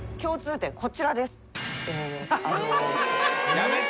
やめて！